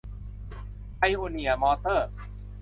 ไพโอเนียร์ มอเตอร์